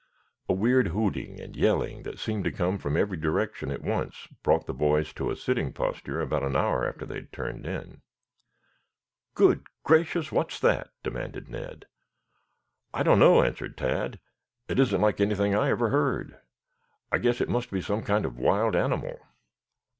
A weird hooting and yelling that seemed to come from every direction at once brought the boys to a sitting posture about an hour after they had turned in. "Good gracious, what's that?" demanded Ned. "I don't know," answered Tad. "It isn't like anything I ever heard. I guess it must be some kind of wild animal."